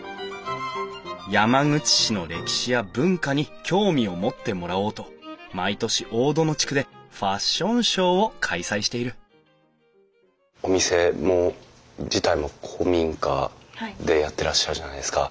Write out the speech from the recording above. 山口市の歴史や文化に興味を持ってもらおうと毎年大殿地区でファッションショーを開催しているお店自体も古民家でやってらっしゃるじゃないですか。